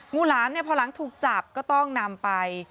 งูร้ำพอหลังถูกจับก็ต้องนำไป